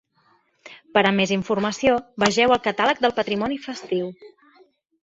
Per a més informació, vegeu el Catàleg del Patrimoni Festiu.